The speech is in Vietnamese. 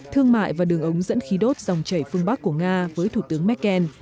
thương mại và đường ống dẫn khí đốt dòng chảy phương bắc của nga với thủ tướng merkel